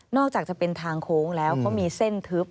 อกจากจะเป็นทางโค้งแล้วเขามีเส้นทึบ